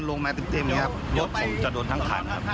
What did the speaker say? รถผมจะโดนทั้งขัน